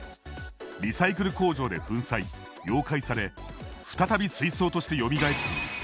リサイクル工場で粉砕溶解され再び水槽としてよみがえっている。